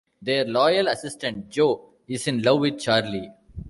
Their loyal assistant, Joe, is in love with Charlie.